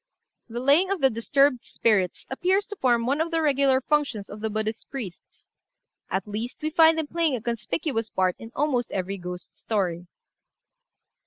The laying of disturbed spirits appears to form one of the regular functions of the Buddhist priests; at least, we find them playing a conspicuous part in almost every ghost story.